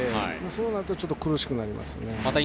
そうなると苦しくなりますよね。